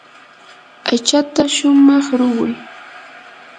aychata shumaq ruquy.